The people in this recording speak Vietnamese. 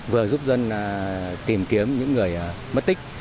vừa giúp dân tìm kiếm những người mất tích